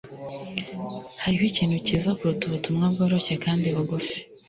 hariho ikintu cyiza kuruta ubutumwa bworoshye kandi bugufi